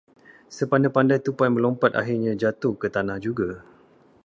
Sepandai-pandai tupai melompat, akhirnya jatuh ke tanah juga.